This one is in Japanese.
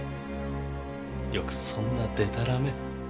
よくそんなでたらめ。